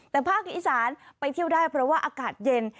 แต่ภาคอีสานไปเที่ยวได้เพราะว่าอากาศเย็น